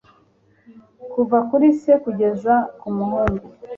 Kuva kuri se kugeza ku muhungu